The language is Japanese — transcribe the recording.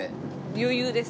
余裕です。